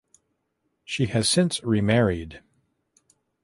She has since remarried.